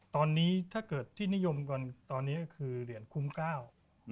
ตอนนี้ถ้าเกิดที่นิยมกันตอนนี้ก็คือเหรียญคุ้มเก้า